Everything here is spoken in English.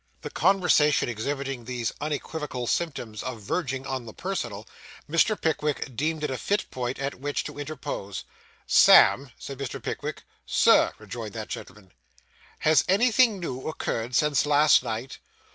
The conversation exhibiting these unequivocal symptoms of verging on the personal, Mr. Pickwick deemed it a fit point at which to interpose. 'Sam,' said Mr. Pickwick. 'Sir,' rejoined that gentleman. 'Has anything new occurred since last night?